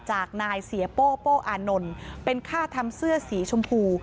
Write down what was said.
จากนายเสียโป้โป้อานนท์เป็นค่าทำเสื้อสีชมพู